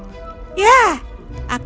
dan berdiri di tengah lantai